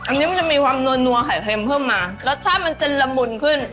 อันนี้มันจะมีความนัวไข่เค็มเพิ่มมารสชาติมันจะละมุนขึ้น